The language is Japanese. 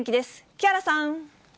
木原さん。